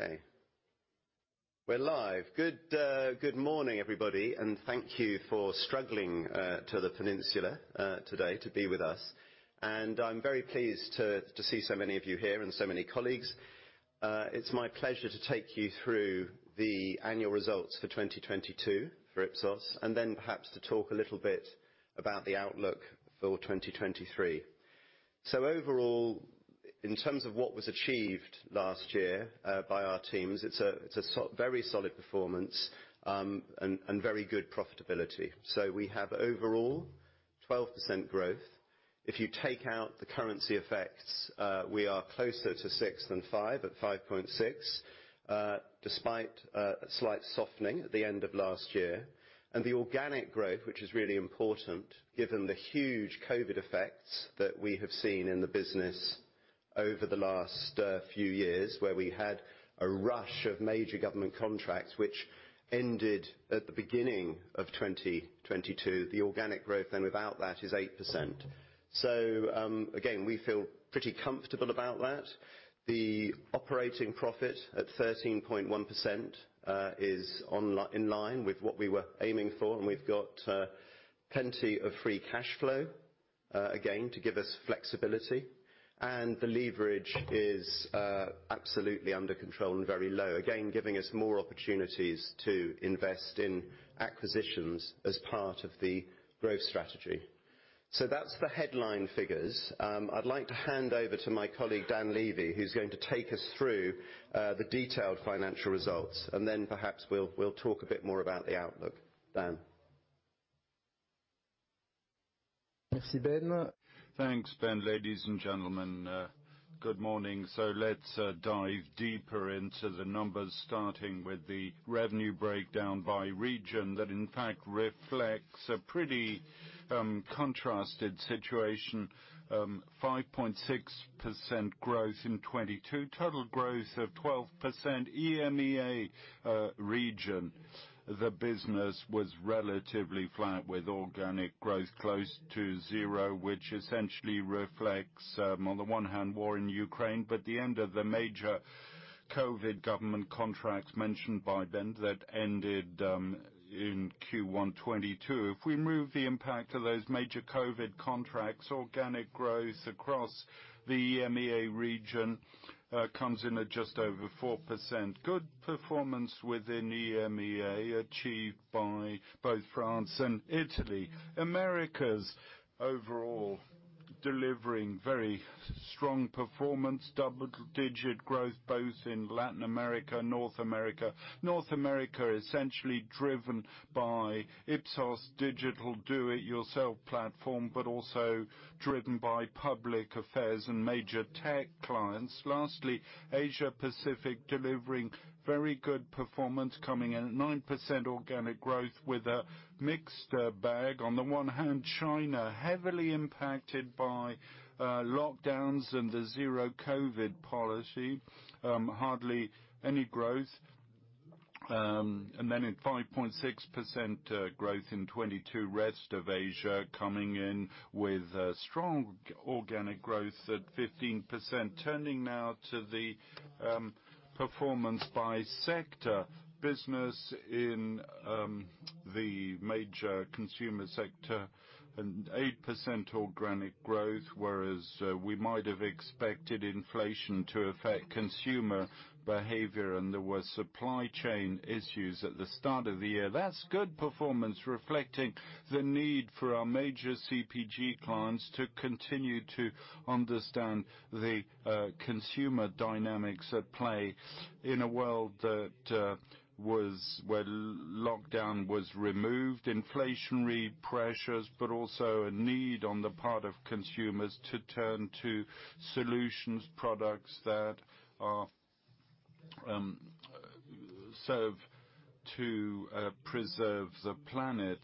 Okay. We're live. Good morning, everybody, and thank you for struggling to the Peninsula today to be with us. I'm very pleased to see so many of you here and so many colleagues. It's my pleasure to take you through the annual results for 2022 for Ipsos and then perhaps to talk a little bit about the outlook for 2023. Overall, in terms of what was achieved last year, by our teams, it's a very solid performance, and very good profitability. We have overall 12% growth. If you take out the currency effects, we are closer to 6% than 5%, at 5.6%, despite a slight softening at the end of last year. The organic growth, which is really important given the huge COVID-19 effects that we have seen in the business over the last few years, where we had a rush of major government contracts which ended at the beginning of 2022. The organic growth then without that is 8%. Again, we feel pretty comfortable about that. The operating profit at 13.1% is in line with what we were aiming for, and we've got plenty of free cash flow, again to give us flexibility. The leverage is absolutely under control and very low, again, giving us more opportunities to invest in acquisitions as part of the growth Strategy. That's the headline figures. I'd like to hand over to my colleague, Dan Lévy, who's going to take us through the detailed financial results, and then perhaps we'll talk a bit more about the outlook. Dan? Merci, Ben. Thanks, Ben. Ladies and gentlemen, good morning. Let's dive deeper into the numbers, starting with the revenue breakdown by region that in fact reflects a pretty contrasted situation, 5.6% growth in 2022, total growth of 12%. EMEA region, the business was relatively flat with organic growth close to zero, which essentially reflects on the one hand, war in Ukraine, but the end of the major COVID government contracts mentioned by Ben that ended in Q1 2022. If we remove the impact of those major COVID contracts, organic growth across the EMEA region comes in at just over 4%. Good performance within EMEA, achieved by both France and Italy. Americas overall delivering very strong performance, double-digit growth both in Latin America and North America. North America essentially driven by Ipsos' digital do it yourself platform, also driven by public affairs and major tech clients. Lastly, Asia Pacific delivering very good performance, coming in at 9% organic growth with a mixed bag. On the one hand, China heavily impacted by lockdowns and the zero COVID policy, hardly any growth. At 5.6% growth in 2022, rest of Asia coming in with strong organic growth at 15%. Turning now to the performance by sector. Business in the major consumer sector, an 8% organic growth, whereas we might have expected inflation to affect consumer behavior and there were supply chain issues at the start of the year. That's good performance reflecting the need for our major CPG clients to continue to understand the consumer dynamics at play in a world that where lockdown was removed, inflationary pressures, but also a need on the part of consumers to turn to solutions, products that are serve to preserve the planet.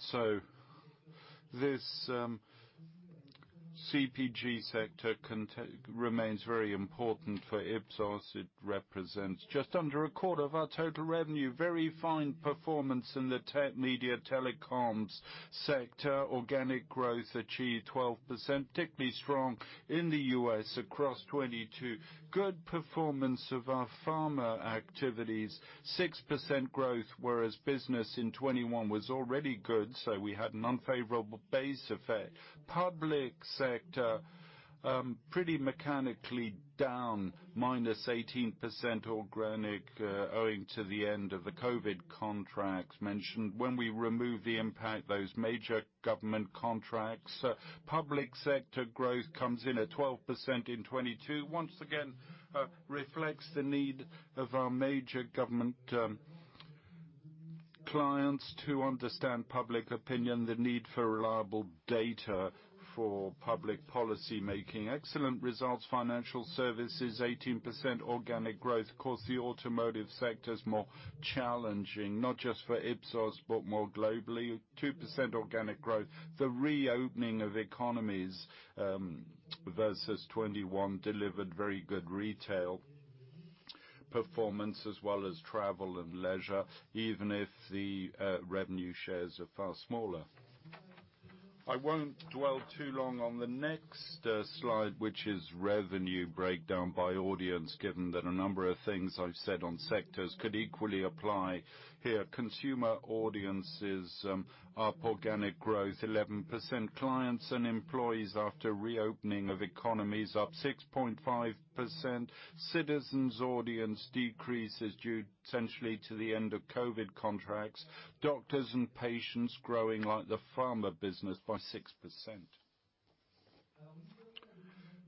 This CPG sector remains very important for Ipsos. It represents just under a quarter of our total revenue. Very fine performance in the tech, media, telecoms sector. Organic growth achieved 12%, particularly strong in the US across 2022. Good performance of our pharma activities, 6% growth, whereas business in 2021 was already good, so we had an unfavorable base effect. Public sector, pretty mechanically down, minus 18% organic, owing to the end of the COVID contracts mentioned. When we remove the impact, those major government contracts, public sector growth comes in at 12% in 2022. Once again, reflects the need of our major government clients to understand public opinion, the need for reliable data for public policy making. Excellent results, financial services, 18% organic growth. Of course, the automotive sector is more challenging, not just for Ipsos, but more globally. 2% organic growth. The reopening of economies versus 2021 delivered very good retail performance as well as travel and leisure, even if the revenue shares are far smaller. I won't dwell too long on the next slide, which is revenue breakdown by audience, given that a number of things I've said on sectors could equally apply here. Consumer audience is up organic growth 11%. Clients and employees after reopening of economies up 6.5%. Citizens audience decreases due essentially to the end of COVID-19 contracts. Doctors and patients growing like the pharma business by 6%.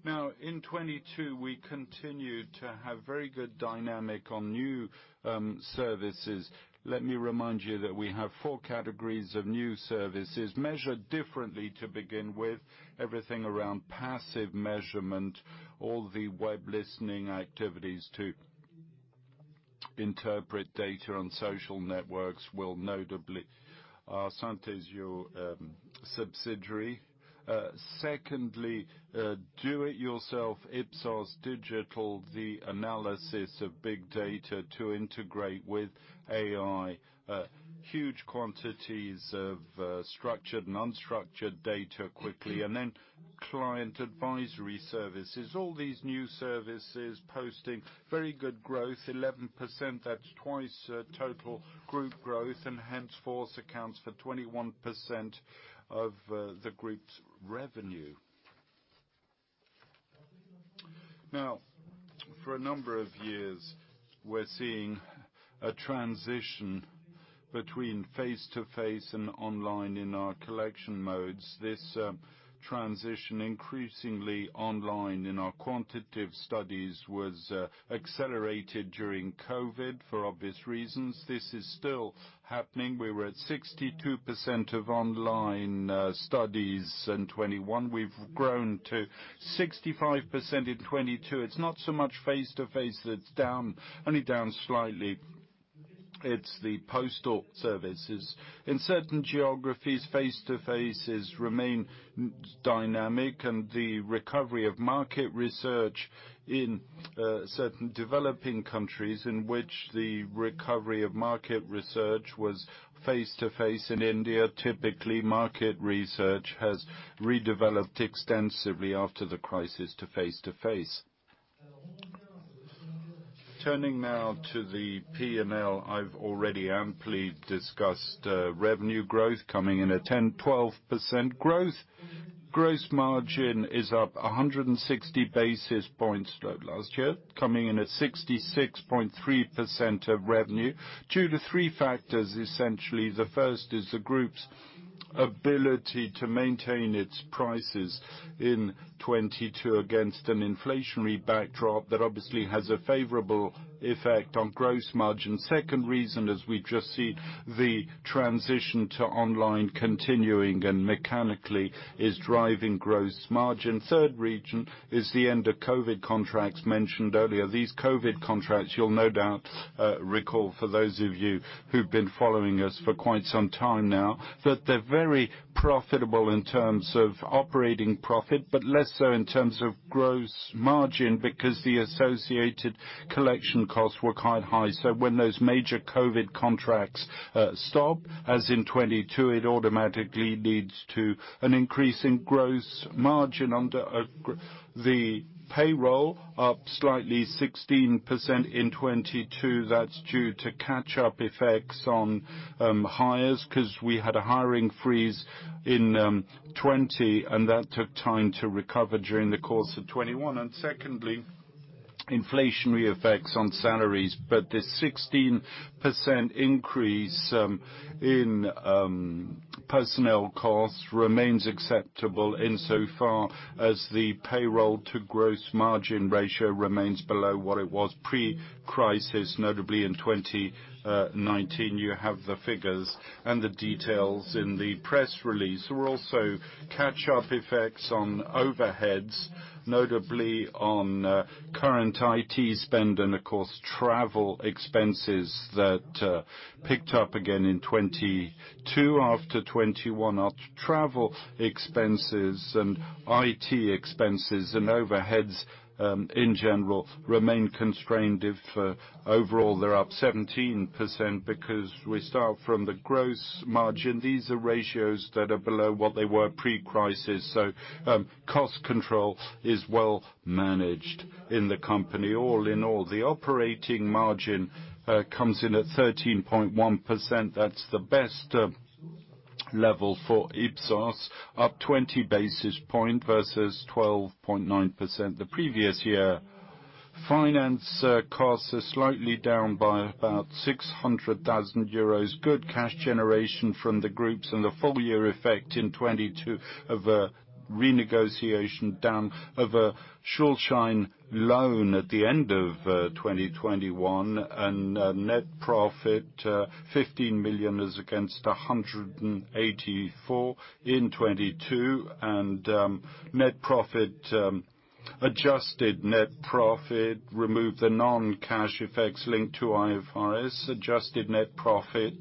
Now, in 2022, we continued to have very good dynamic on new services. Let me remind you that we have four categories of new services measured differently to begin with. Everything around passive measurement, all the web listening activities to interpret data on social networks will notably Synthesio subsidiary. Secondly, do it yourself Ipsos. Digital, the analysis of big data to integrate with AI. Huge quantities of structured and unstructured data quickly, and then client advisory services. All these new services posting very good growth, 11%. That's twice total group growth and henceforce accounts for 21% of the group's revenue. For a number of years, we're seeing a transition between face-to-face and online in our collection modes. This transition increasingly online in our quantitative studies was accelerated during COVID for obvious reasons. This is still happening. We were at 62% of online studies in 2021. We've grown to 65% in 2022. It's not so much face-to-face that's down, only down slightly. It's the postal services. In certain geographies, face-to-face has remained dynamic, and the recovery of market research in certain developing countries in which the recovery of market research was face-to-face. In India, typically, market research has redeveloped extensively after the crisis to face-to-face. Turning now to the P&L, I've already amply discussed revenue growth coming in at 10%-12% growth. Gross margin is up 160 basis points to last year, coming in at 66.3% of revenue. Due to three factors, essentially. The first is the group's ability to maintain its prices in 2022 against an inflationary backdrop that obviously has a favorable effect on gross margin. Second reason, as we've just seen, the transition to online continuing and mechanically is driving gross margin. Third reason is the end of COVID contracts mentioned earlier. These COVID contracts, you'll no doubt recall for those of you who've been following us for quite some time now, that they're very profitable in terms of operating profit, but less so in terms of gross margin because the associated collection costs were quite high. When those major COVID contracts stop as in 2022, it automatically leads to an increase in gross margin. The payroll up slightly 16% in 2022. That's due to catch-up effects on hires cause we had a hiring freeze in 2020, and that took time to recover during the course of 2021. Secondly, inflationary effects on salaries. The 16% increase in personnel costs remains acceptable insofar as the payroll to gross margin ratio remains below what it was pre-crisis, notably in 2019. You have the figures and the details in the press release. There were also catch-up effects on overheads, notably on current IT spend and of course, travel expenses that picked up again in 2022 after 2021. Our travel expenses and IT expenses and overheads in general remain constrained. If overall they're up 17% because we start from the gross margin. These are ratios that are below what they were pre-crisis. Cost control is well managed in the company. All in all, the operating margin comes in at 13.1%. That's the best level for Ipsos, up 20 basis points versus 12.9% the previous year. Finance costs are slightly down by about 600,000 euros. Good cash generation from the groups and the full year effect in 2022 of a renegotiation down of a short-line loan at the end of 2021. Net profit 15 million as against 184 million in 2022. Net profit, adjusted net profit, remove the non-cash effects linked to IFRS. Adjusted net profit,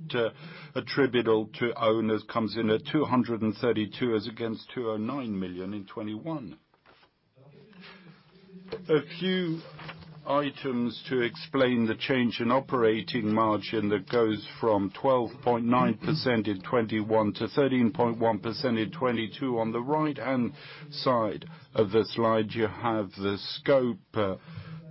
attributable to owners comes in at 232 as against 209 million in 2021. A few items to explain the change in operating margin that goes from 12.9% in 2021 to 13.1% in 2022. On the right-hand side of the slide, you have the scope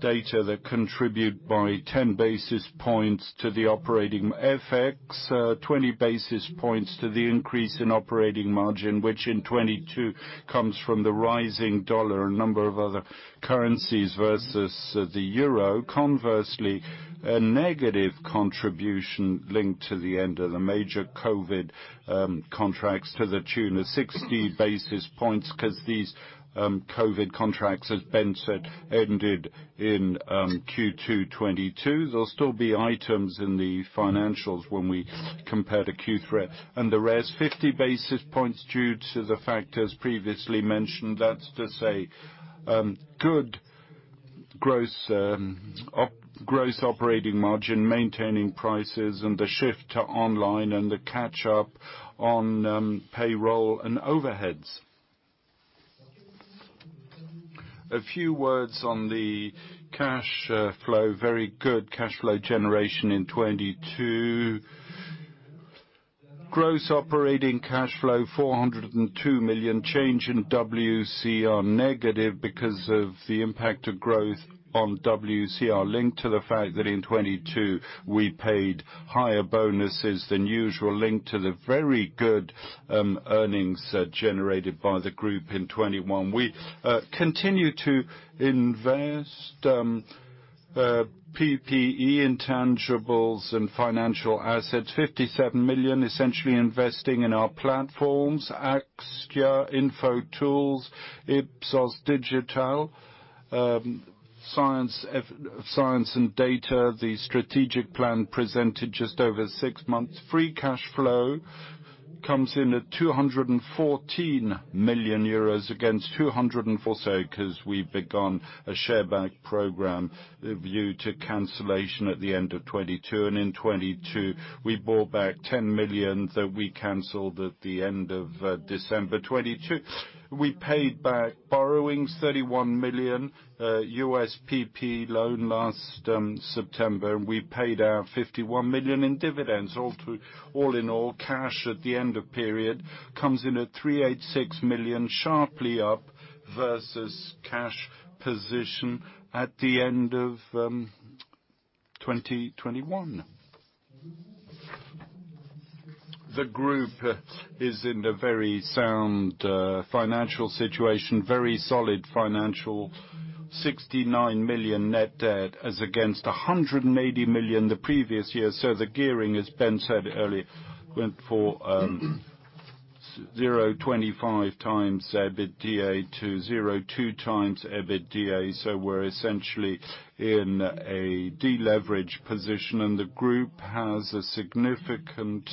data that contribute by 10 basis points to the operating FX, 20 basis points to the increase in operating margin, which in 2022 comes from the rising dollar, a number of other currencies versus the euro. Conversely, a negative contribution linked to the end of the major COVID contracts to the tune of 60 basis points because these COVID contracts, as Ben said, ended in Q2 2022. There'll still be items in the financials when we compare to Q3. The rest, 50 basis points due to the fact, as previously mentioned, that's to say, good gross operating margin, maintaining prices, and the shift to online and the catch-up on payroll and overheads. A few words on the cash flow. Very good cash flow generation in 2022. Gross operating cash flow, 402 million. Change in WCR negative because of the impact of growth on WCR linked to the fact that in 2022, we paid higher bonuses than usual, linked to the very good earnings generated by the group in 2021. We continue to invest PPE, intangibles, and financial assets. 57 million essentially investing in our platforms, Askia, Infotools, Ipsos.Digital, science and data, the Strategic plan presented just over six months. Free cash flow comes in at 214 million euros against 204 million, say, because we've begun a share buy program due to cancellation at the end of 2022. In 2022, we bought back 10 million that we canceled at the end of December 2022. We paid back borrowings, 31 million, USPP loan last September, and we paid out 51 million in dividends. All in all, cash at the end of period comes in at 386 million, sharply up versus cash position at the end of 2021. The group is in a very sound financial situation, very solid financial. 69 million net debt as against 180 million the previous year. The gearing, as Ben said earlier, went for 0.25 times EBITDA to 0.2 times EBITDA. We're essentially in a deleverage position, and the group has a significant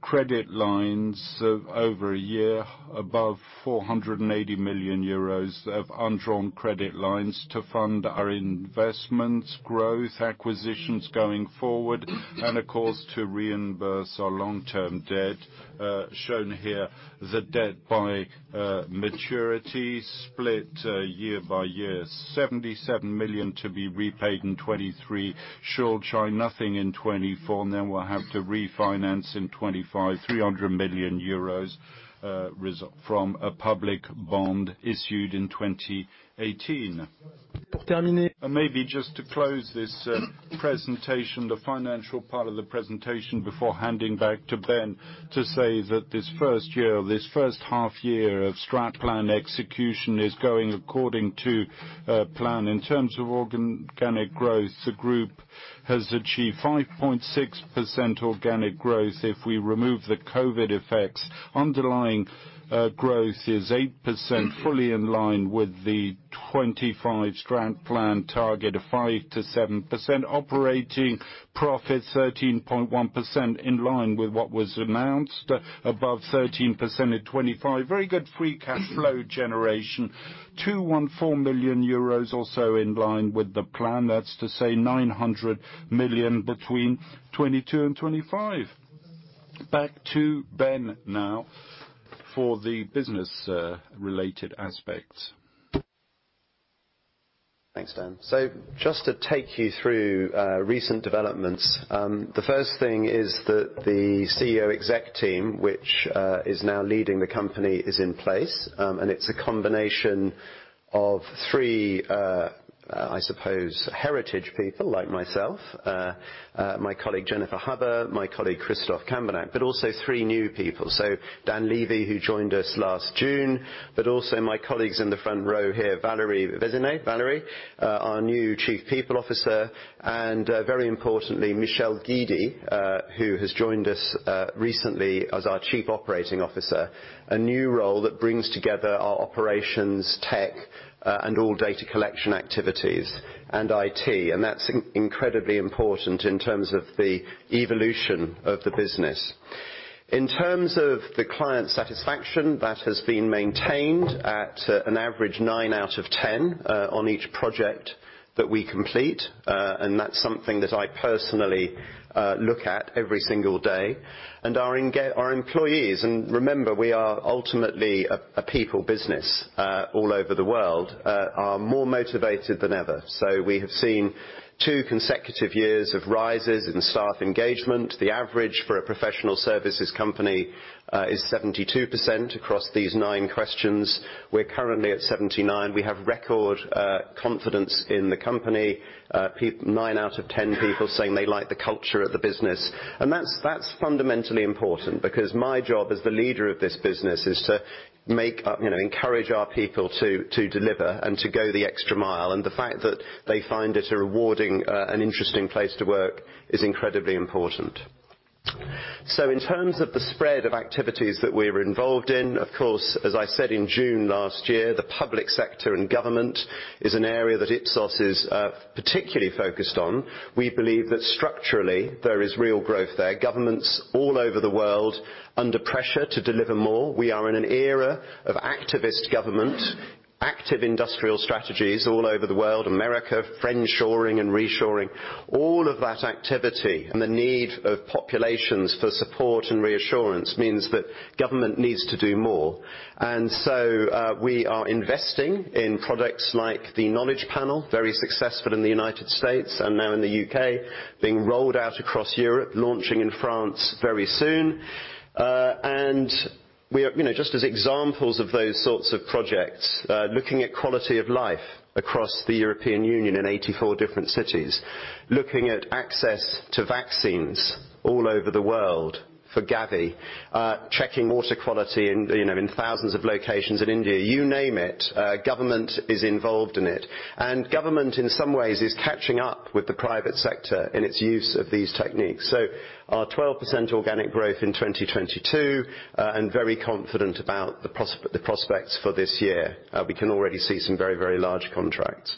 credit lines of over a year, above 480 million euros of undrawn credit lines to fund our investments, growth, acquisitions going forward, and of course, to reimburse our long-term debt shown here. The debt by maturity split year by year. 77 million to be repaid in 2023. Short-term, nothing in 2024. We'll have to refinance in 2025, 300 million euros from a public bond issued in 2018. Maybe just to close this presentation, the financial part of the presentation, before handing back to Ben to say that this first year or this first half year of Strat plan execution is going according to plan. In terms of organic growth, the group has achieved 5.6% organic growth. If we remove the COVID effects, underlying growth is 8% fully in line with the 25 Strat plan target of 5%-7%. Operating profit, 13.1% in line with what was announced, above 13% in 2025. Very good free cash flow generation, 214 million euros also in line with the plan. That's to say 900 million between 2022 and 2025. Back to Ben now for the business related aspects. Thanks, Dan. Just to take you through recent developments, the first thing is that the CEO exec team, which is now leading the company, is in place, and it's a combination of three, I suppose, heritage people like myself, my colleague Jennifer Hubbard, my colleague Christophe Cambournac, but also three new people. Dan Lévy, who joined us last June, but also my colleagues in the front row here, Valerie Vezinhet. Valerie, our new Chief People Officer, and very importantly, Michel Guidi, who has joined us recently as our Chief Operating Officer. A new role that brings together our operations, tech, and all data collection activities and IT. That's incredibly important in terms of the evolution of the business. In terms of the client satisfaction, that has been maintained at an average 9 out of 10 on each project that we complete. That's something that I personally look at every single day. Our employees, and remember, we are ultimately a people business all over the world, are more motivated than ever. We have seen two consecutive years of rises in staff engagement. The average for a professional services company is 72% across these 9 questions. We're currently at 79%. We have record confidence in the company. 9 out of 10 people saying they like the culture of the business. That's fundamentally important because my job as the leader of this business is to make up... You know, encourage our people to deliver and to go the extra mile. The fact that they find it a rewarding and interesting place to work is incredibly important. In terms of the spread of activities that we're involved in, of course, as I said in June last year, the public sector and government is an area that Ipsos is particularly focused on. We believe that structurally there is real growth there. Governments all over the world under pressure to deliver more. We are in an era of activist government, active industrial Strategies all over the world, America, friendshoring and reshoring. All of that activity and the need of populations for support and reassurance means that government needs to do more. We are investing in products like the KnowledgePanel, very successful in the United States and now in the UK, being rolled out across Europe, launching in France very soon. You know, just as examples of those sorts of projects, looking at quality of life across the European Union in 84 different cities. Looking at access to vaccines all over the world for Gavi. Checking water quality in, you know, in thousands of locations in India. You name it, government is involved in it. Government, in some ways, is catching up with the private sector in its use of these techniques. Our 12% organic growth in 2022, and very confident about the prospects for this year. We can already see some very, very large contracts.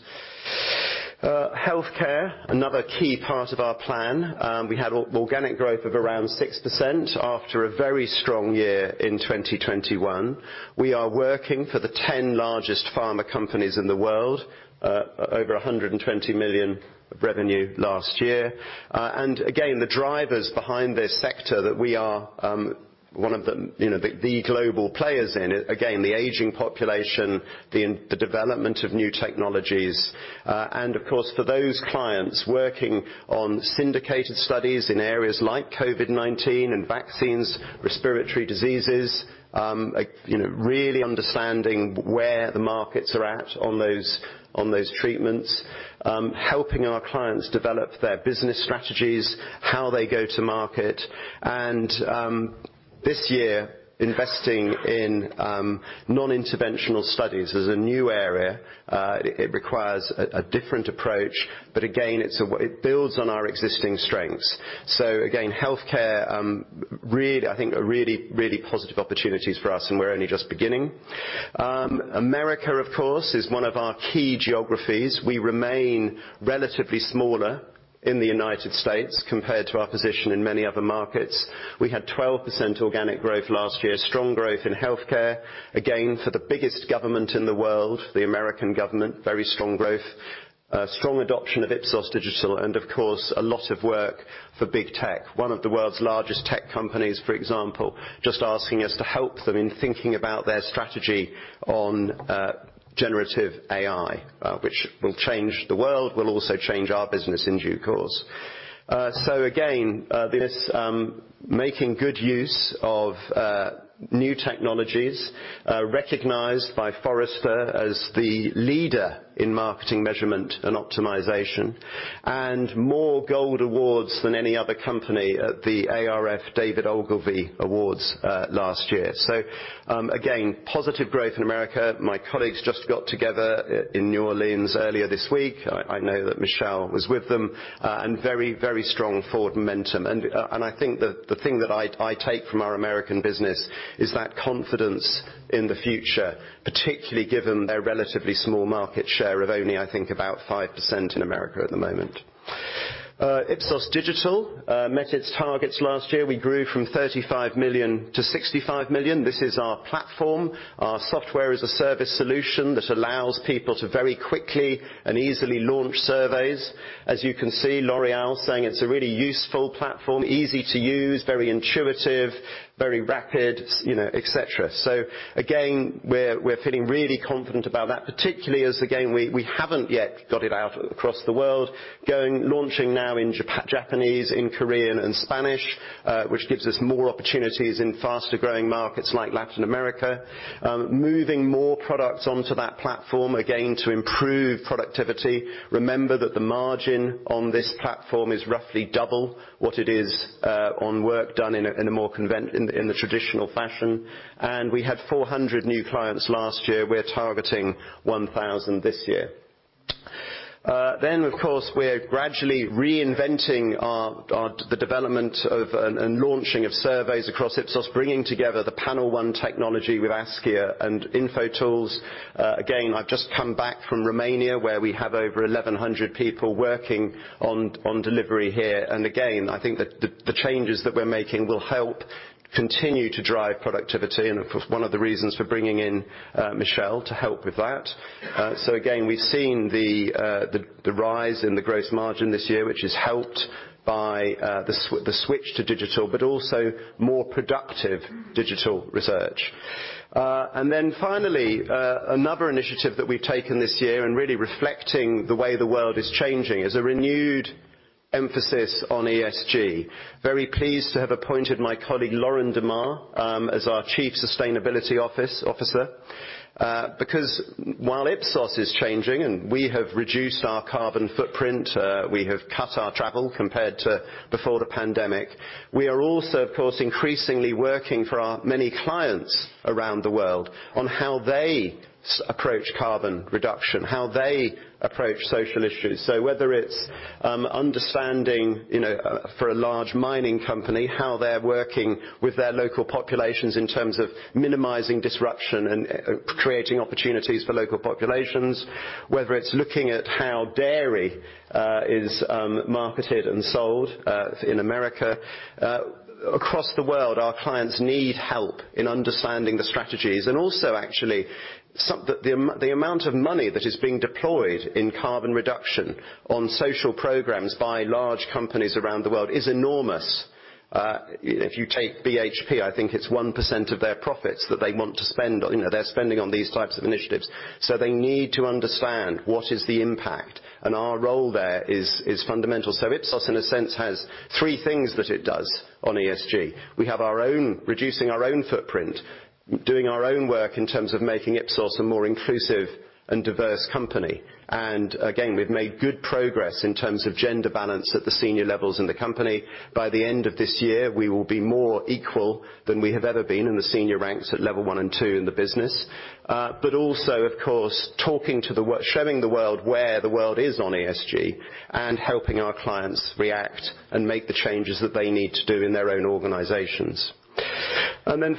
Healthcare, another key part of our plan. We had organic growth of around 6% after a very strong year in 2021. We are working for the 10 largest pharma companies in the world. Over 120 million of revenue last year. Again, the drivers behind this sector that we are, one of them, you know, the global players in it, again, the aging population, the development of new technologies. Of course, for those clients working on syndicated studies in areas like COVID-19 and vaccines, respiratory diseases, like, you know, really understanding where the markets are at on those, on those treatments. Helping our clients develop their business Strategies, how they go to market. This year, investing in non-interventional studies is a new area. It requires a different approach, but again, it builds on our existing strengths. Again, healthcare, really, I think, are really, really positive opportunities for us, and we're only just beginning. America, of course, is one of our key geographies. We remain relatively smaller in the United States compared to our position in many other markets. We had 12% organic growth last year. Strong growth in healthcare. Again, for the biggest government in the world, the American government, very strong growth. Strong adoption of Ipsos.Digital. Of course, a lot of work for big tech. One of the world's largest tech companies, for example, just asking us to help them in thinking about their Strategy on generative AI, which will change the world, will also change our business in due course. Again, this making good use of new technologies, recognized by Forrester as the leader in marketing measurement and optimization, and more gold awards than any other company at the ARF David Ogilvy Awards last year. Again, positive growth in America. My colleagues just got together in New Orleans earlier this week. I know that Michelle was with them. Very, very strong forward momentum. I think the thing that I take from our American business is that confidence in the future, particularly given their relatively small market share of only, I think, about 5% in America at the moment. Ipsos Digital met its targets last year. We grew from $35 million to $65 million. This is our platform, our software as a service solution that allows people to very quickly and easily launch surveys. As you can see, L'Oréal saying it's a really useful platform, easy to use, very intuitive, very rapid, you know, et cetera. Again, we're feeling really confident about that, particularly as, again, we haven't yet got it out across the world. Launching now in Japanese, in Korean and Spanish, which gives us more opportunities in faster-growing markets like Latin America. Moving more products onto that platform, again, to improve productivity. Remember that the margin on this platform is roughly double what it is on work done in a, in the traditional fashion. We had 400 new clients last year. We're targeting 1,000 this year. Then of course, we're gradually reinventing our, the development of and launching of surveys across Ipsos, bringing together the Panel One technology with Askia and Infotools. Again, I've just come back from Romania, where we have over 1,100 people working on delivery here. Again, I think the changes that we're making will help continue to drive productivity and of course, one of the reasons for bringing in Michelle to help with that. Again, we've seen the rise in the gross margin this year, which is helped by the switch to digital, but also more productive digital research. Finally, another initiative that we've taken this year and really reflecting the way the world is changing is a renewed emphasis on ESG. Very pleased to have appointed my colleague, Laurence Dumont, as our Chief Sustainability Officer because while Ipsos is changing and we have reduced our carbon footprint, we have cut our travel compared to before the pandemic, we are also, of course, increasingly working for our many clients around the world on how they approach carbon reduction, how they approach social issues. Whether it's understanding, you know, for a large mining company, how they're working with their local populations in terms of minimizing disruption and creating opportunities for local populations, whether it's looking at how dairy is marketed and sold in America. Across the world, our clients need help in understanding the Strategies. Also actually, the amount of money that is being deployed in carbon reduction on social programs by large companies around the world is enormous. If you take BHP, I think it's 1% of their profits that they want to spend on, you know, they're spending on these types of initiatives. They need to understand what is the impact, and our role there is fundamental. Ipsos, in a sense, has three things that it does on ESG. We have our own, reducing our own footprint, doing our own work in terms of making Ipsos a more inclusive and diverse company. Again, we've made good progress in terms of gender balance at the senior levels in the company. By the end of this year, we will be more equal than we have ever been in the senior ranks at level one and two in the business. Also, of course, showing the world where the world is on ESG and helping our clients react and make the changes that they need to do in their own organizations.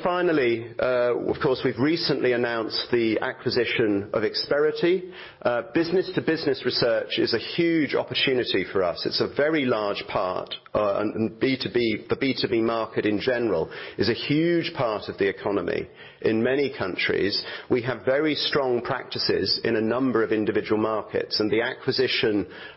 Finally, of course, we've recently announced the acquisition of Xperiti. Business-to-business research is a huge opportunity for us. It's a very large part, and B2B, the B2B market in general is a huge part of the economy in many countries. We have very strong practices in a number of individual markets, and the acquisition of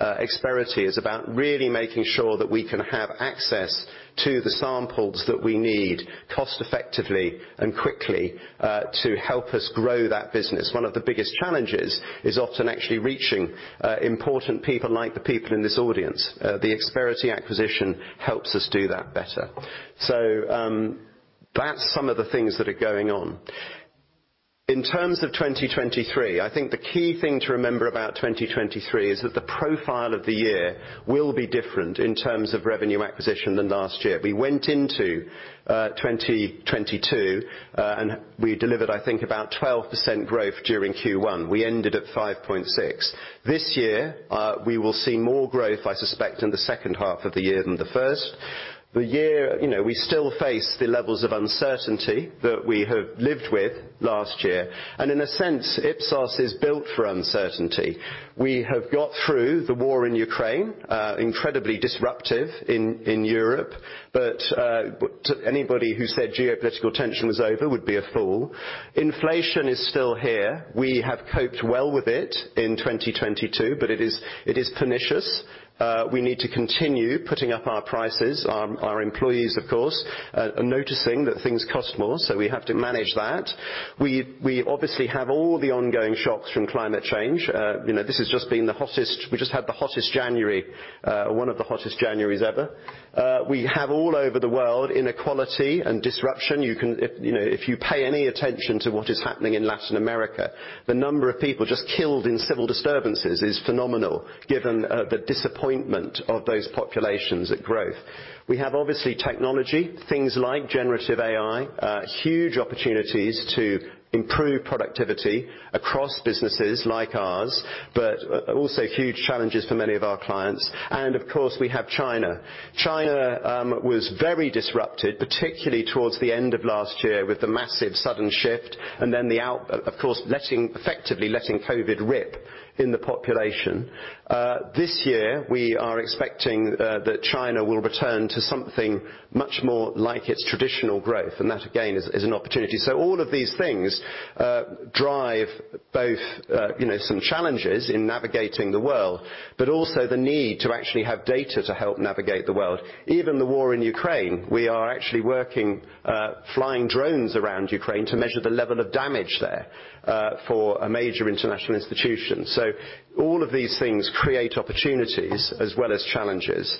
Xperiti is about really making sure that we can have access to the samples that we need cost-effectively and quickly to help us grow that business. One of the biggest challenges is often actually reaching important people like the people in this audience. The Xperiti acquisition helps us do that better. That's some of the things that are going on. In terms of 2023, I think the key thing to remember about 2023 is that the profile of the year will be different in terms of revenue acquisition than last year. We went into 2022, and we delivered, I think, about 12% growth during Q1. We ended at 5.6%. This year, we will see more growth, I suspect, in the second half of the year than the first. The year, you know, we still face the levels of uncertainty that we have lived with last year. In a sense, Ipsos is built for uncertainty. We have got through the war in Ukraine, incredibly disruptive in Europe. Anybody who said geopolitical tension was over would be a fool. Inflation is still here. We have coped well with it in 2022, but it is pernicious. We need to continue putting up our prices. Our employees, of course, are noticing that things cost more, so we have to manage that. We obviously have all the ongoing shocks from climate change. You know, this has just been the hottest... We just had the hottest January, one of the hottest Januaries ever. We have all over the world inequality and disruption. If, you know, if you pay any attention to what is happening in Latin America, the number of people just killed in civil disturbances is phenomenal, given the disappointment of those populations at growth. We have obviously technology, things like generative AI, huge opportunities to improve productivity across businesses like ours, but also huge challenges for many of our clients. Of course, we have China. China was very disrupted, particularly towards the end of last year with the massive sudden shift and then effectively letting COVID rip in the population. This year, we are expecting that China will return to something much more like its traditional growth, and that again is an opportunity. All of these things drive both, you know, some challenges in navigating the world, but also the need to actually have data to help navigate the world. Even the war in Ukraine, we are actually working, flying drones around Ukraine to measure the level of damage there, for a major international institution. All of these things create opportunities as well as challenges.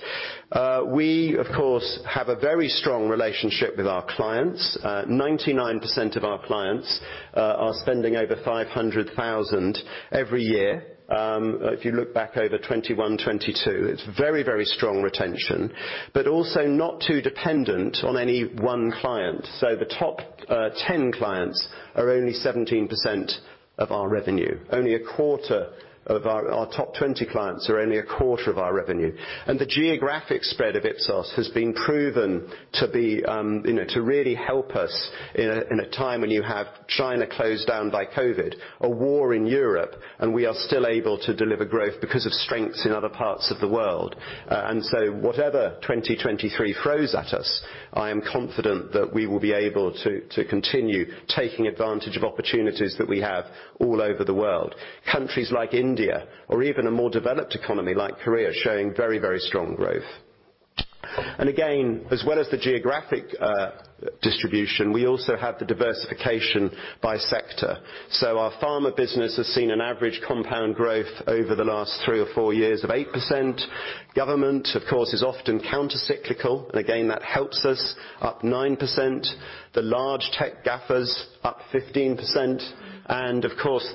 We, of course, have a very strong relationship with our clients. 99% of our clients are spending over 500,000 every year. If you look back over 2021, 2022, it's very strong retention, but also not too dependent on any one client. The top 10 clients are only 17% of our revenue. Our top 20 clients are only a quarter of our revenue. The geographic spread of Ipsos has been proven to be, you know, to really help us in a time when you have China closed down by COVID, a war in Europe, and we are still able to deliver growth because of strengths in other parts of the world. Whatever 2023 throws at us, I am confident that we will be able to continue taking advantage of opportunities that we have all over the world. Countries like India or even a more developed economy like Korea, showing very strong growth. Again, as well as the geographic distribution, we also have the diversification by sector. Our pharma business has seen an average compound growth over the last 3 or 4 years of 8%. Government, of course, is often countercyclical, and again, that helps us, up 9%. The large tech GAFA's up 15%. Of course,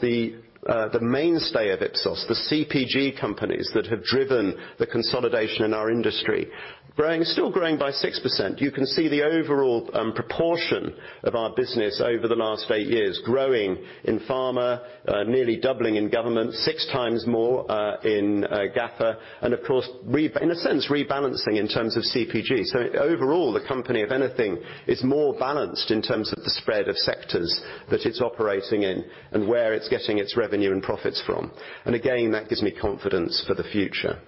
the mainstay of Ipsos, the CPG companies that have driven the consolidation in our industry, still growing by 6%. You can see the overall proportion of our business over the last 8 years growing in pharma, nearly doubling in government, 6 times more in GAFA, and of course, in a sense, rebalancing in terms of CPG. Overall, the company, if anything, is more balanced in terms of the spread of sectors that it's operating in and where it's getting its revenue and profits from. Again, that gives me confidence for the future.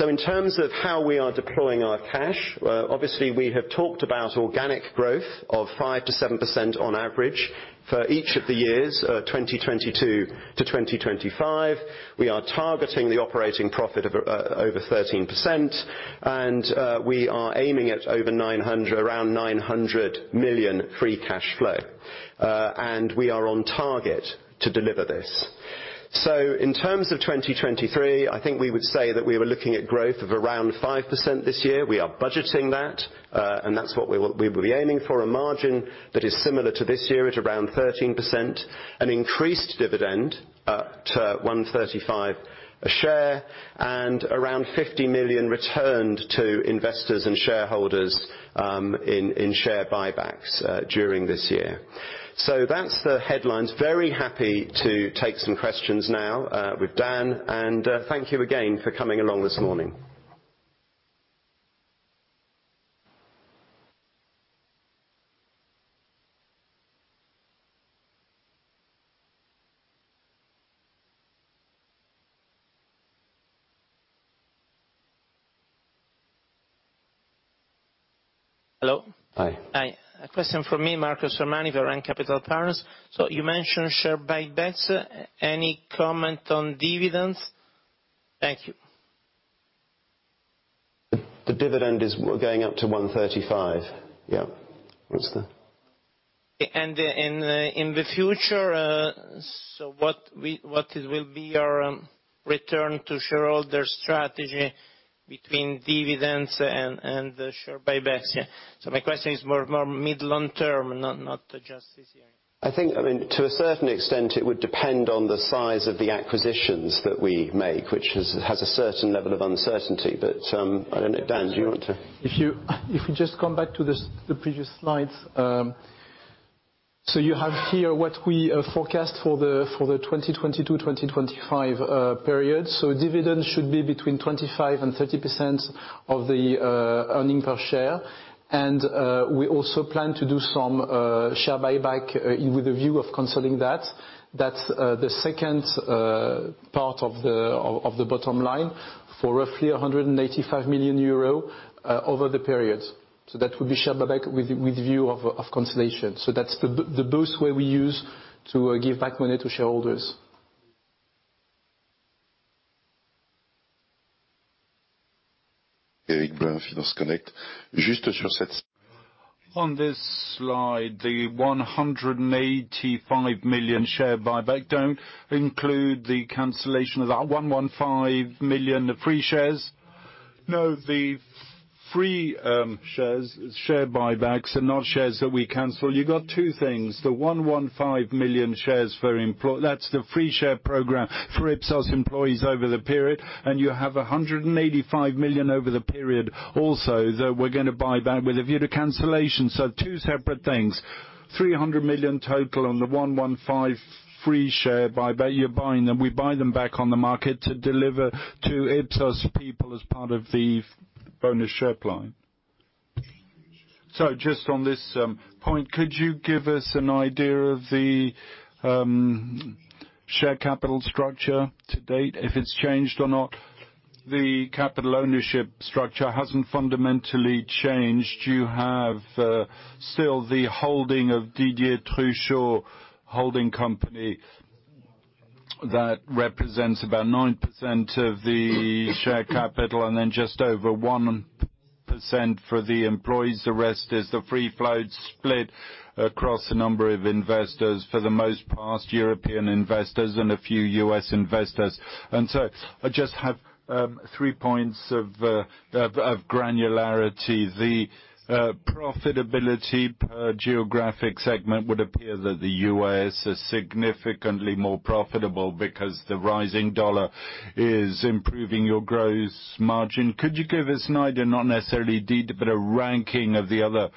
In terms of how we are deploying our cash, obviously, we have talked about organic growth of 5% to 7% on average for each of the years, 2022 to 2025. We are targeting the operating profit of over 13%. We are aiming at around 900 million free cash flow. We are on target to deliver this. In terms of 2023, I think we would say that we were looking at growth of around 5% this year. We are budgeting that, and that's what we will be aiming for. A margin that is similar to this year at around 13%. An increased dividend up to 1.35 a share, and around 50 million returned to investors and shareholders in share buybacks during this year. That's the headlines. Very happy to take some questions now with Dan. Thank you again for coming along this morning. Hello. Hi. Hi. A question from me, Marco Sormani, Varenne Capital Partners. You mentioned share buybacks. Any comment on dividends? Thank you. The dividend is we're going up to 1.35. Yeah. In, in the future, what will be your return to shareholder Strategy between dividends and the share buybacks, yeah? My question is more mid, long term, not just this year. I think, I mean, to a certain extent, it would depend on the size of the acquisitions that we make, which has a certain level of uncertainty. I don't know, Dan Lévy, do you want to? If you just come back to the previous slide. You have here what we forecast for the 2022-2025 period. Dividend should be between 25% and 30% of the earning per share. We also plan to do some share buyback with a view of canceling that. That's the second part of the bottom line for roughly 185 million euro over the period. That would be share buyback with view of cancellation. That's the boost way we use to give back money to shareholders. Eric Blain, Finance Connect. On this slide, the 185 million share buyback don't include the cancellation of that 115 million free shares? No, the free shares, share buybacks are not shares that we cancel. You got two things, the 115 million shares for employ... That's the free share program for Ipsos employees over the period, and you have 185 million over the period also that we're gonna buy back with a view to cancellation. Two separate things, 300 million total on the 115 free share buyback. You're buying them. We buy them back on the market to deliver to Ipsos people as part of the bonus share plan. Just on this point, could you give us an idea of the share capital structure to date, if it's changed or not? The capital ownership structure hasn't fundamentally changed. You have, still the holding of Didier Truchot holding company That represents about 9% of the share capital, and then just over 1% for the employees. The rest is the free float split across a number of investors for the most part European investors and a few U.S. investors. I just have 3 points of granularity. The profitability per geographic segment would appear that the U.S. is significantly more profitable because the rising dollar is improving your gross margin. Could you give us an idea, not necessarily detail, but a ranking of the other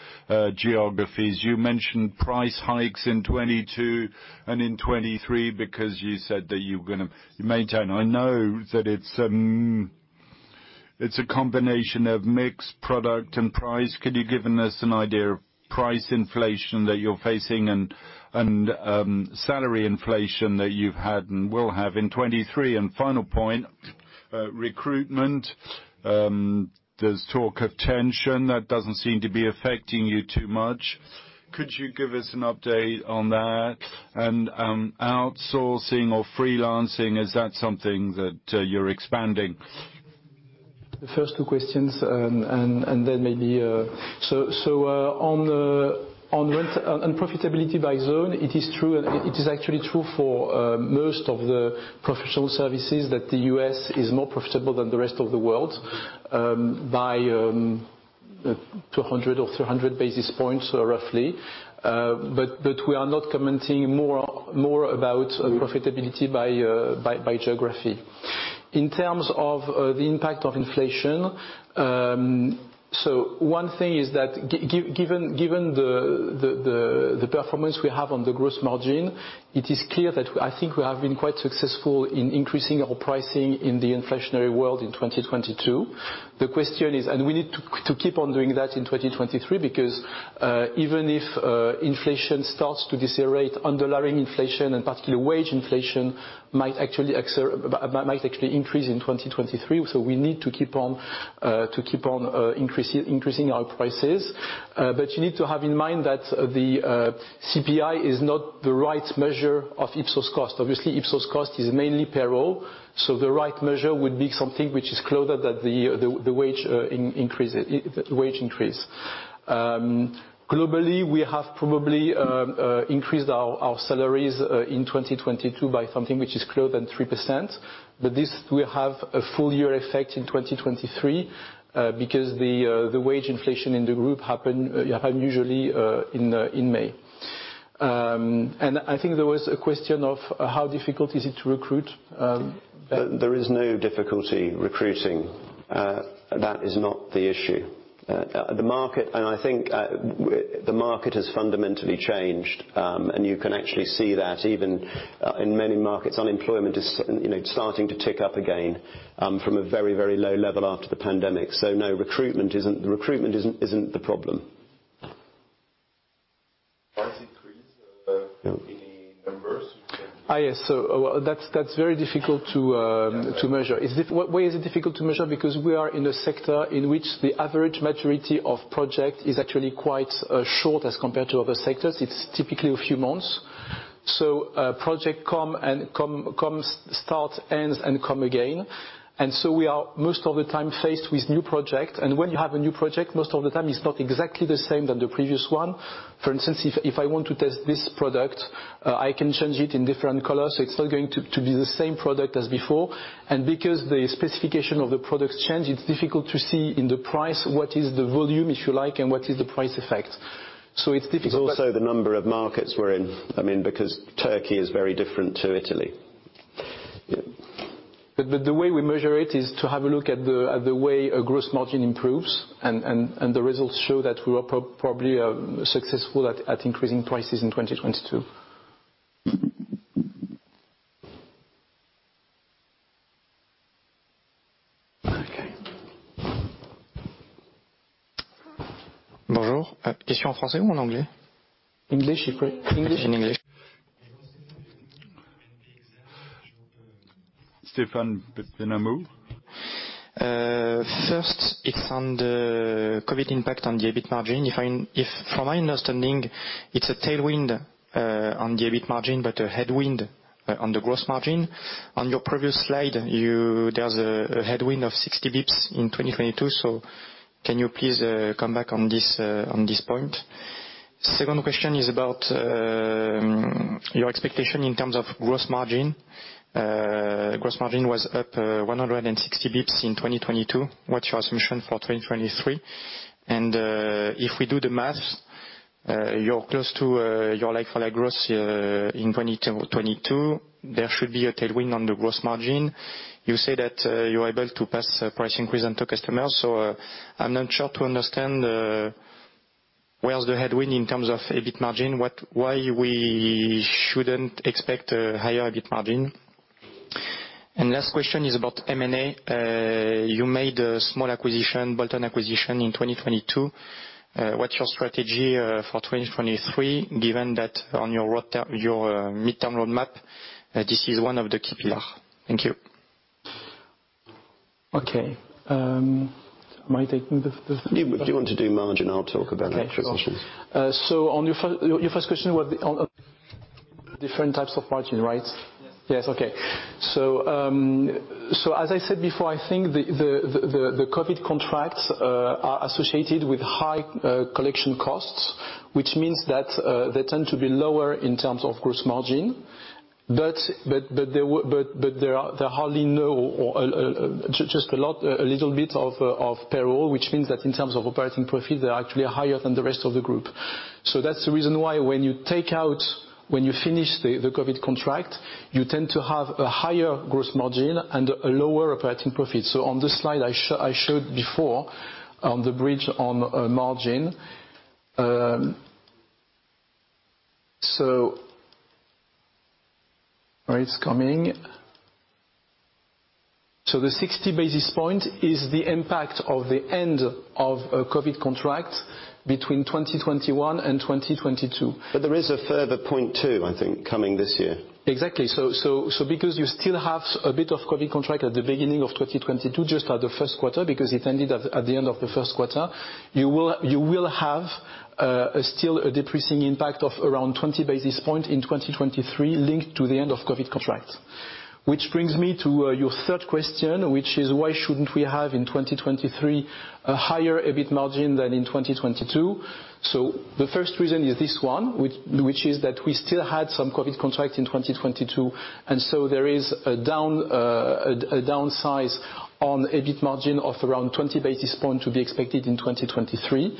geographies? You mentioned price hikes in 2022 and in 2023 because you said that you're gonna maintain. I know that it's a combination of mixed product and price. Could you given us an idea of price inflation that you're facing and salary inflation that you've had and will have in 2023? Final point, recruitment, there's talk of tension that doesn't seem to be affecting you too much. Could you give us an update on that? Outsourcing or freelancing, is that something that you're expanding? The first two questions and then maybe. On rent and profitability by zone, it is actually true for most of the professional services that the U.S. is more profitable than the rest of the world, by 200 or 300 basis points roughly. We are not commenting more about profitability by geography. In terms of the impact of inflation, one thing is that given the performance we have on the gross margin, it is clear that I think we have been quite successful in increasing our pricing in the inflationary world in 2022. The question is... We need to keep on doing that in 2023 because even if inflation starts to decelerate, underlying inflation and particular wage inflation might actually increase in 2023. We need to keep on increasing our prices. You need to have in mind that the CPI is not the right measure of Ipsos cost. Obviously, Ipsos cost is mainly payroll. The right measure would be something which is closer than the wage increase. Globally, we have probably increased our salaries in 2022 by something which is close than 3%. This will have a full year effect in 2023 because the wage inflation in the group happen usually in May. I think there was a question of how difficult is it to recruit. There is no difficulty recruiting. That is not the issue. The market. I think the market has fundamentally changed, and you can actually see that even in many markets, unemployment is, you know, starting to tick up again from a very, very low level after the pandemic. No, recruitment isn't the problem. Price increase, any numbers? Yes. That's very difficult to measure. Why is it difficult to measure? Because we are in a sector in which the average maturity of project is actually quite short as compared to other sectors. It's typically a few months. Project comes, start, ends, and come again. We are most of the time faced with new project, and when you have a new project, most of the time it's not exactly the same than the previous one. For instance, if I want to test this product, I can change it in different colors, so it's not going to be the same product as before. Because the specification of the products change, it's difficult to see in the price what is the volume, if you like, and what is the price effect. It's difficult. Also the number of markets we're in. I mean, because Turkey is very different to Italy. The way we measure it is to have a look at the way a gross margin improves and the results show that we are probably successful at increasing prices in 2022. Okay. English if you. English. In English. Stéphane Petinaux. First, it's on the COVID impact on the EBIT margin. From my understanding, it's a tailwind on the EBIT margin, but a headwind on the gross margin. On your previous slide, there's a headwind of 60 basis points in 2022. Can you please come back on this on this point? Second question is about your expectation in terms of gross margin. Gross margin was up 160 basis points in 2022. What's your assumption for 2023? If we do the Maths, you're close to your like-for-like growth in 2022. There should be a tailwind on the gross margin. You say that you're able to pass price increase on to customers, so I'm not sure to understand where's the headwind in terms of EBIT margin, why we shouldn't expect a higher EBIT margin. Last question is about M&A. You made a small acquisition, Big Village acquisition in 2022. What's your Strategy for 2023 given that on your midterm roadmap, this is one of the key pillar? Thank you. Okay. Am I taking the? You want to do margin, I'll talk about acquisitions. Okay. On your first question was on different types of margin, right? Yes. Yes. Okay. As I said before, I think the COVID contracts are associated with high collection costs, which means that they tend to be lower in terms of gross margin. But there are hardly no or just a lot, a little bit of payroll, which means that in terms of operating profit, they're actually higher than the rest of the group. That's the reason why when you finish the COVID contract, you tend to have a higher gross margin and a lower operating profit. On this slide I show, I showed before on the bridge on margin, so. Right, it's coming. The 60 basis points is the impact of the end of a COVID contract between 2021 and 2022. There is a further point too, I think, coming this year. Exactly. Because you still have a bit of COVID contract at the beginning of 2022, just at the first quarter, because it ended at the end of the first quarter, you will have a still a depressing impact of around 20 basis points in 2023 linked to the end of COVID contracts. Which brings me to your third question, which is why shouldn't we have, in 2023, a higher EBIT margin than in 2022. The first reason is this one, which is that we still had some COVID contract in 2022, and so there is a downsize on EBIT margin of around 20 basis points to be expected in 2023.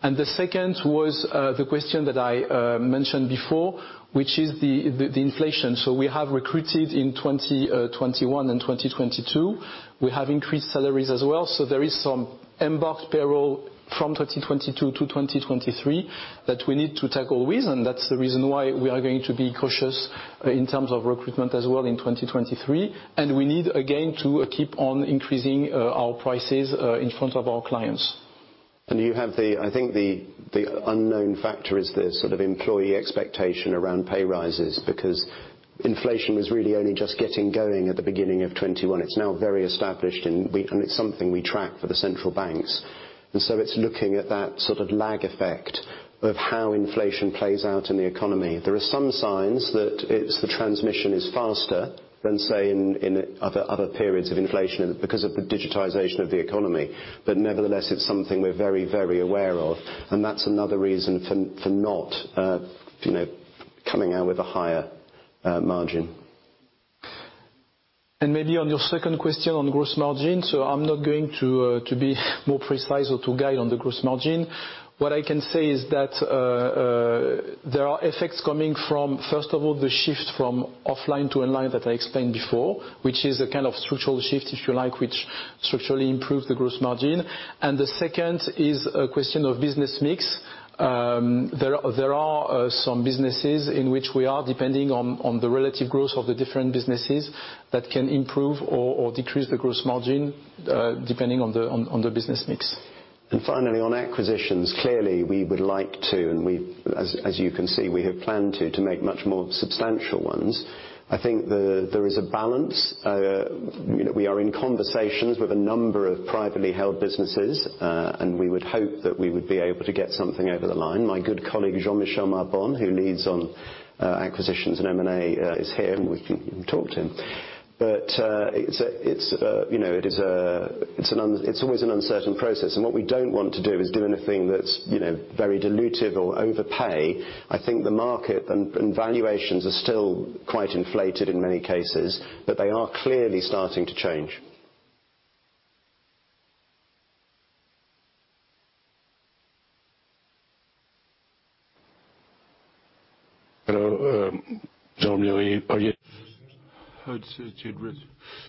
The second was the question that I mentioned before, which is the inflation. We have recruited in 2021 and 2022. We have increased salaries as well. There is some embarked payroll from 2022 to 2023 that we need to tackle with. That's the reason why we are going to be cautious in terms of recruitment as well in 2023. We need, again, to keep on increasing our prices in front of our clients. You have the, I think the unknown factor is the sort of employee expectation around pay rises, because inflation was really only just getting going at the beginning of 2021. It's now very established and it's something we track for the central banks. It's looking at that sort of lag effect of how inflation plays out in the economy. There are some signs that it's, the transmission is faster than, say, in other periods of inflation because of the digitization of the economy. Nevertheless, it's something we're very, very aware of, and that's another reason for not, you know, coming out with a higher, margin. Maybe on your second question on gross margin, I'm not going to be more precise or to guide on the gross margin. What I can say is that there are effects coming from, first of all, the shift from offline to online that I explained before, which is a kind of structural shift, if you like, which structurally improves the gross margin. The second is a question of business mix. There are some businesses in which we are depending on the relative growth of the different businesses that can improve or decrease the gross margin, depending on the business mix. Finally, on acquisitions, clearly, we would like to, and we've, as you can see, we have planned to make much more substantial ones. I think there is a balance. You know, we are in conversations with a number of privately held businesses, and we would hope that we would be able to get something over the line. My good colleague, Jean-Michel Mabon, who leads on acquisitions and M&A, is here, and we can talk to him. It's, it's, you know, it is, it's always an uncertain process. What we don't want to do is do anything that's, you know, very dilutive or overpay. I think the market and valuations are still quite inflated in many cases, but they are clearly starting to change.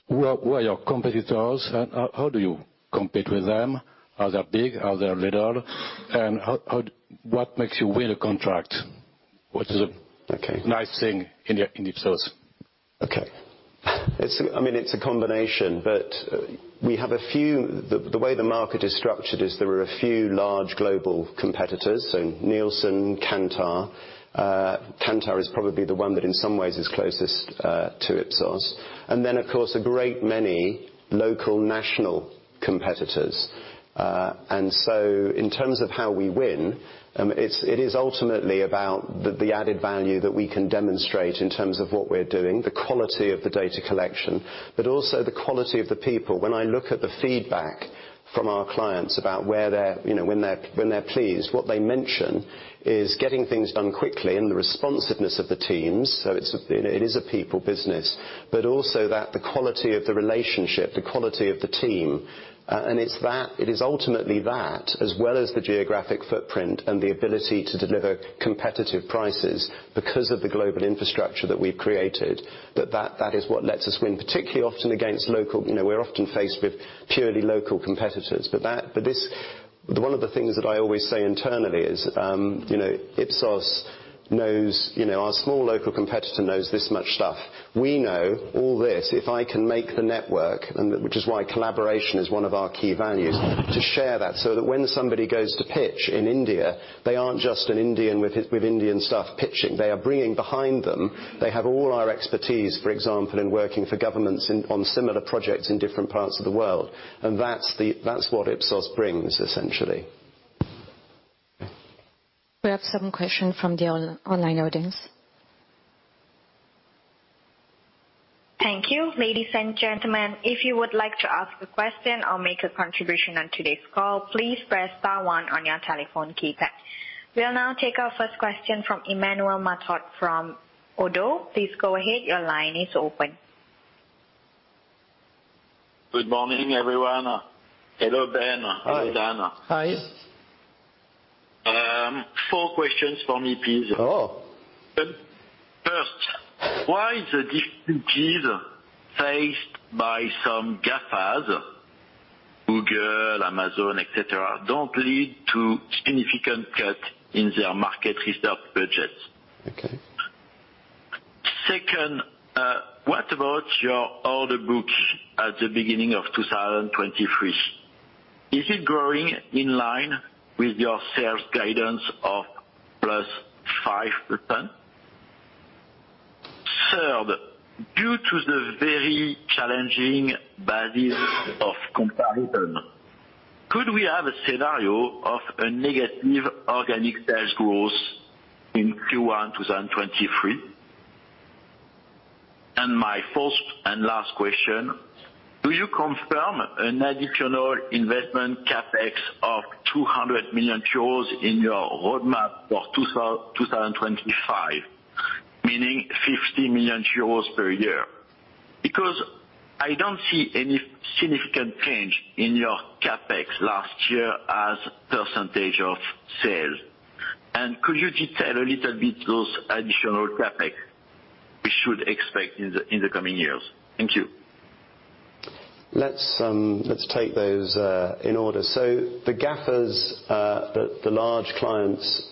Who are your competitors and how do you compete with them? Are they big? Are they little? How... What makes you win a contract? Okay. Nice thing in your, in Ipsos? Okay. It's, I mean, it's a combination, but we have a few. The way the market is structured is there are a few large global competitors, so Nielsen, Kantar. Kantar is probably the one that in some ways is closest to Ipsos. Then, of course, a great many local national competitors. In terms of how we win, it's, it is ultimately about the added value that we can demonStrate in terms of what we're doing, the quality of the data collection, but also the quality of the people. When I look at the feedback from our clients about where they're, you know, when they're, when they're pleased, what they mention is getting things done quickly and the responsiveness of the teams. It's, you know, it is a people business. Also that the quality of the relationship, the quality of the team, and it's that, it is ultimately that, as well as the geographic footprint and the ability to deliver competitive prices because of the global infrastructure that we've created, that is what lets us win. Particularly often against local, you know. We're often faced with purely local competitors. One of the things that I always say internally is, you know, Ipsos knows, you know, our small local competitor knows this much stuff. We know all this. If I can make the network, and which is why collaboration is one of our key values, to share that, so that when somebody goes to pitch in India, they aren't just an Indian with Indian staff pitching. They are bringing behind them, they have all our expertise, for example, in working for governments on similar projects in different parts of the world. That's the, that's what Ipsos brings, essentially. We have some question from the online audience. Thank you. Ladies and gentlemen, if you would like to ask a question or make a contribution on today's call, please press star one on your telephone keypad. We'll now take our first question from Emmanuel Matot from Oddo. Please go ahead. Your line is open. Good morning, everyone. Hello, Ben. Hi. Hello, Dan. Hi. Four questions for me, please. Oh. First, why is the difficulties faced by some GAFAs, Google, Amazon, et cetera, don't lead to significant cut in their market research budgets? Okay. Second, what about your order books at the beginning of 2023? Is it growing in line with your sales guidance of +5%? Third, due to the very challenging basis of comparison, could we have a scenario of a negative organic sales growth in Q1 2023? My fourth and last question, do you confirm an additional investment CapEx of 200 million euros in your roadmap for 2025, meaning 50 million euros per year? Because I don't see any significant change in your CapEx last year as % of sales. Could you detail a little bit those additional CapEx we should expect in the coming years? Thank you. Let's take those in order. The GAFAs, the large clients,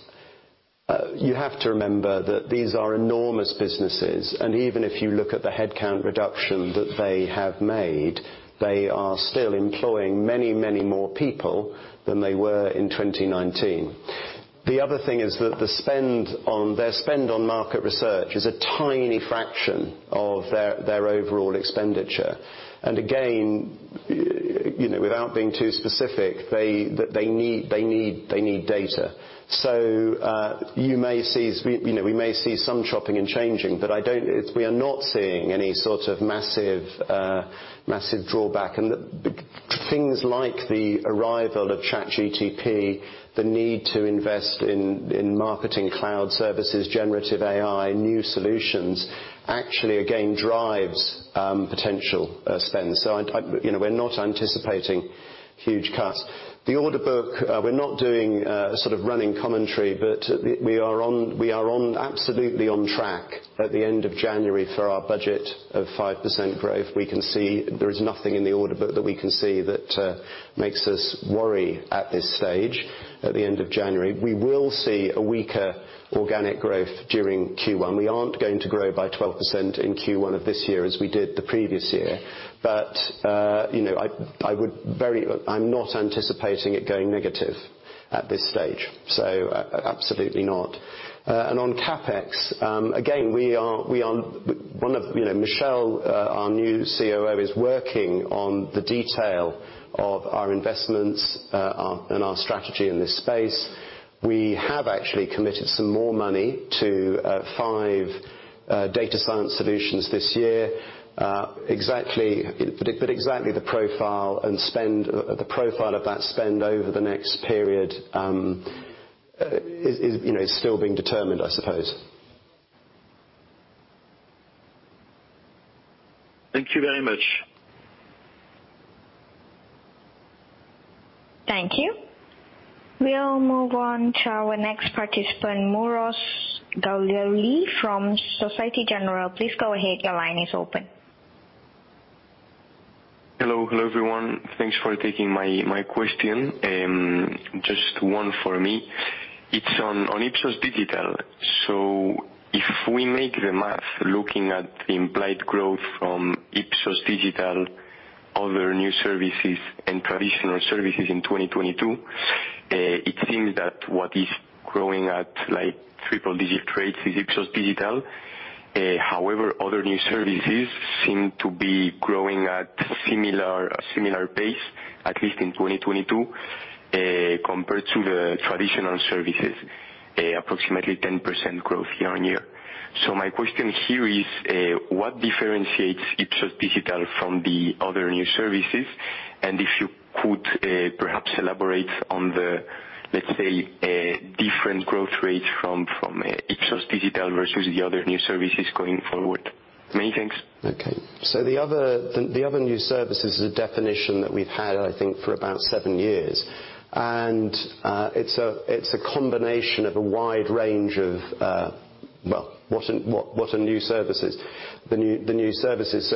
you have to remember that these are enormous businesses. Even if you look at the headcount reduction that they have made, they are still employing many, many more people than they were in 2019. The other thing is that their spend on market research is a tiny fraction of their overall expenditure. Again, you know, without being too specific, they need data. You may see, you know, we may see some chopping and changing, but I don't. We are not seeing any sort of massive drawback. Things like the arrival of ChatGPT, the need to invest in marketing cloud services, generative AI, new solutions, actually again drives potential spend. You know, we're not anticipating huge cuts. The order book, we're not doing a sort of running commentary, we are on absolutely on track at the end of January for our budget of 5% growth. We can see there is nothing in the order book that we can see that makes us worry at this stage at the end of January. We will see a weaker organic growth during Q1. We aren't going to grow by 12% in Q1 of this year as we did the previous year. You know, I'm not anticipating it going negative at this stage. Absolutely not. On CapEx, again, we are one of... You know, Michelle, our new COO, is working on the detail of our investments, and our Strategy in this space. We have actually committed some more money to 5 data science solutions this year. Exactly, but exactly the profile and spend, the profile of that spend over the next period, you know, is still being determined, I suppose. Thank you very much. Thank you. We'll move on to our next participant, Mauro Guglielmin from Société Générale. Please go ahead. Your line is open. Hello. Hello, everyone. Thanks for taking my question. Just one for me. It's on Ipsos Digital. If we make the math looking at the implied growth from Ipsos Digital, other new services and traditional services in 2022, it seems that what is growing at, like, triple digit rates is Ipsos Digital. However, other new services seem to be growing at similar pace, at least in 2022, compared to the traditional services, approximately 10% growth year-over-year. My question here is, what differentiates Ipsos Digital from the other new services? If you could, perhaps elaborate on the, let's say, different growth rates from Ipsos Digital versus the other new services going forward. Many thanks. Okay. The other new services is a definition that we've had, I think, for about seven years. It's a combination of a wide range of. Well, what are new services? The new services.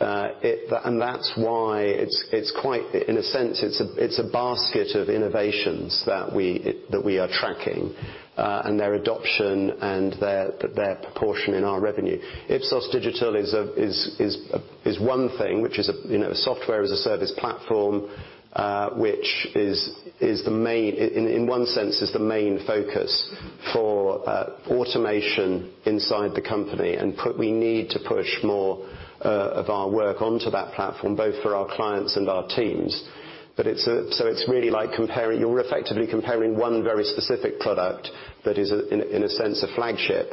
That's why it's quite. In a sense, it's a basket of innovations that we are tracking and their adoption and their proportion in our revenue. Ipsos.Digital is one thing, which is, you know, software as a service platform, which is the main. In one sense, is the main focus for automation inside the company. We need to push more of our work onto that platform, both for our clients and our teams. It's really like comparing.. You're effectively comparing one very specific product that is in a sense, a flagship,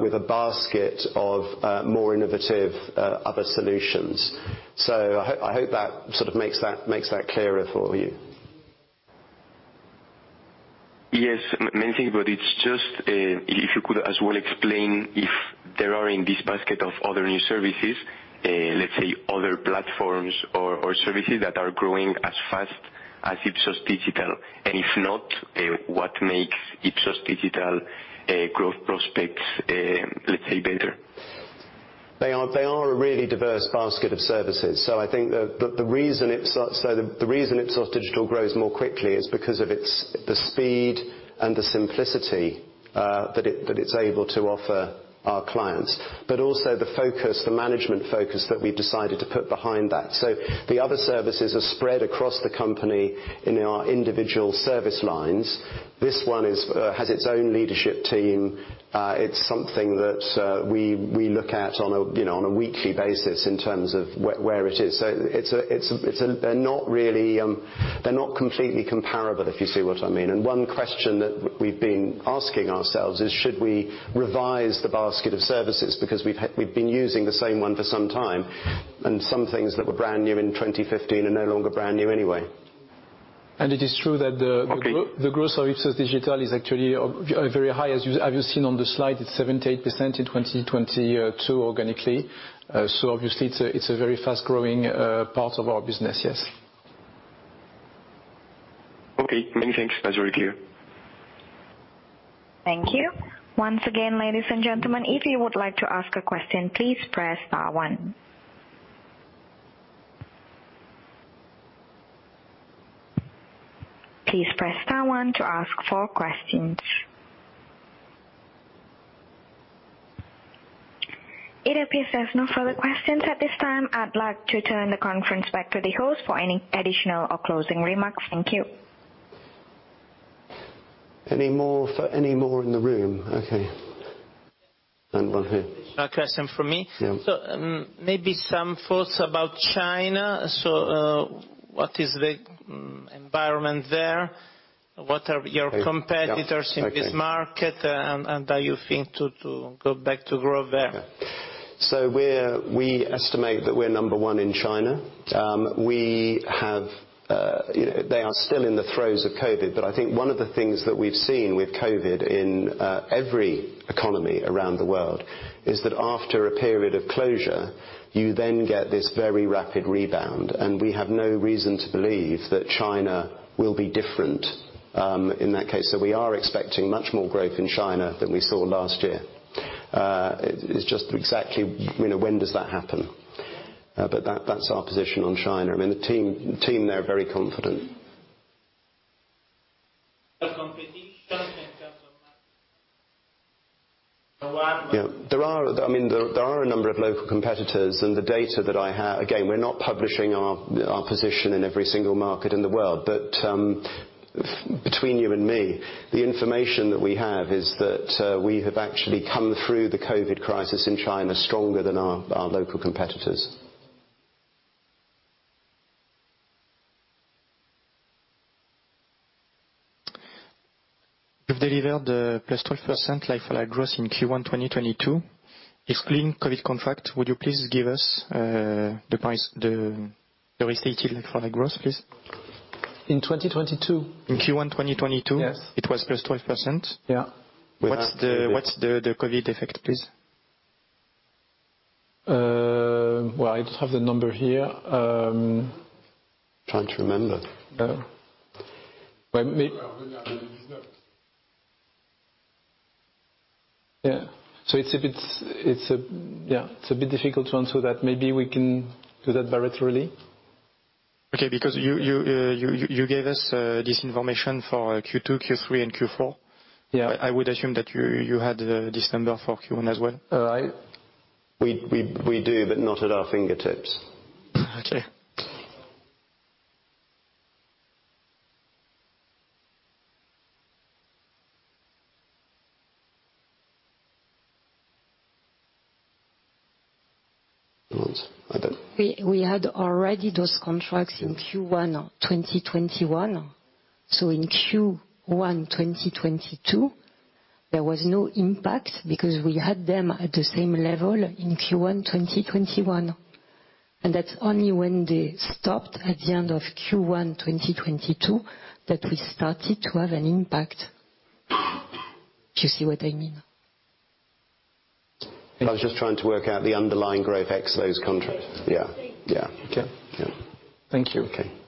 with a basket of more innovative other solutions. I hope that sort of makes that clearer for you. Yes. main thing, but it's just, if you could as well explain if there are in this basket of other new services, let's say other platforms or services that are growing as fast as Ipsos Digital. If not, what makes Ipsos Digital growth prospects, let's say better? They are a really diverse basket of services. I think the reason Ipsos the reason Ipsos.Digital grows more quickly is because of its the speed and the simplicity that it's able to offer our clients. Also the focus, the management focus that we've decided to put behind that. The other services are spread across the company in our individual service lines. This one is has its own leadership team. It's something that we look at on a, you know, on a weekly basis in terms of where it is. It's a... They're not really, they're not completely comparable, if you see what I mean. One question that we've been asking ourselves is should we revise the basket of services because we've been using the same one for some time, and some things that were brand new in 2015 are no longer brand new anyway. It is true that. Okay. The growth of Ipsos.Digital is actually very high. As you've seen on the slide, it's 78% in 2022 organically. Obviously it's a very fast-growing part of our business, yes. Okay. Many thanks. That's very clear. Thank you. Once again, ladies and gentlemen, if you would like to ask a question, please press star one. Please press star one to ask for questions. It appears there's no further questions at this time. I'd like to turn the conference back to the host for any additional or closing remarks. Thank you. Any more in the room? Okay. One here. A question from me. Yeah. Maybe some thoughts about China. What is the environment there? Yeah. in this market? Okay. Do you think to go back to grow there? We estimate that we're number one in China. We have, they are still in the throes of COVID. I think one of the things that we've seen with COVID in every economy around the world is that after a period of closure, you then get this very rapid rebound. We have no reason to believe that China will be different in that case. We are expecting much more growth in China than we saw last year. It's just exactly, you know, when does that happen? That, that's our position on China. I mean, the team there are very confident. The competition in terms of. Yeah. There are a number of local competitors. The data that I have. Again, we're not publishing our position in every single market in the world. Between you and me, the information that we have is that we have actually come through the COVID crisis in China stronger than our local competitors. You've delivered, +12% like-for-like growth in Q1 2022. Excluding COVID contract, would you please give us, the price, the restated like-for-like growth, please? In 2022? In Q1 2022. Yes. It was plus 12%. Yeah. With that. What's the COVID effect, please? Well, I don't have the number here. Trying to remember. Well, Yeah. Yeah, it's a bit difficult to answer that. Maybe we can do that separately. Okay, because you gave us this information for Q2, Q3, and Q4. Yeah. I would assume that you had this number for Q1 as well. Right. We do, but not at our fingertips. Okay. Hold on. Adele. We had already those contracts in Q1 2021. In Q1 2022, there was no impact because we had them at the same level in Q1 2021. That's only when they stopped at the end of Q1 2022 that we started to have an impact. Do you see what I mean? I was just trying to work out the underlying growth ex those contracts. Yeah. Yeah. Okay. Yeah. Thank you. Okay.